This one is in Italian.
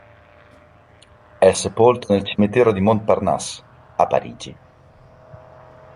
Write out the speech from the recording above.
È sepolto nel cimitero di Montparnasse, a Parigi.